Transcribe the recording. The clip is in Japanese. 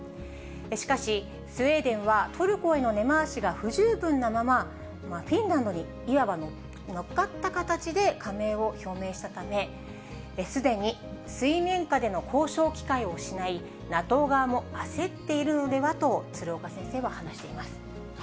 しかし、スウェーデンはトルコへの根回しが不十分なまま、フィンランドにいわば乗っかった形で加盟を表明したため、すでに水面下での交渉機会を失い、ＮＡＴＯ側も焦っているのではと、鶴岡先生は話しています。